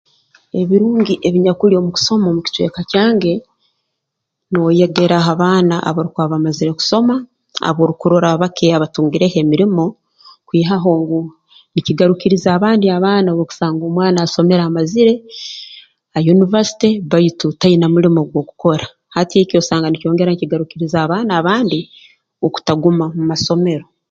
Ebirungi ebinyakuli omu kusoma omu kicweka kyange nooyegera ha baana abarukuba bamazire kusoma aboorukurora abake abatungireho emirimo kwihaho ngu nkigarukiriza abandi abaana kusanga omwana asomere amazire ha Yunivasite baitu taine mulimo gw'okukora hati eki osanga nikyongera nikigarukiiriza abaana abandi okutaguma mu masomero